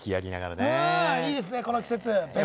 いいですね、この季節。